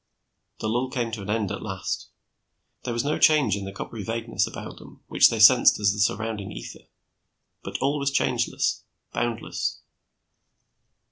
The lull came to an end, at last. There was no change in the coppery vagueness about them which they sensed as the surrounding ether, but all was changeless, boundless.